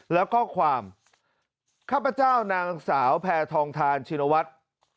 แล้วก็ความข้าพเจ้านางสาวแพทองทานชินวัฒน์